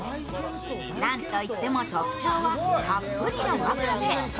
なんといっても特徴はたっぷりのわかめ。